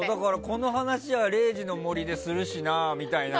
この話は「０時の森」でするしなと。